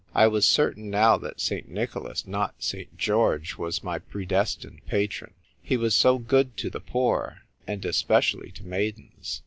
I was certain now that St. Nicholas, not St. George, was my predestined patron. He was so good to the poor, and especially to maidens.